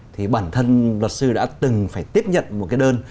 thì bản thân luật sư đã từng phải tiếp nhận một cái đơn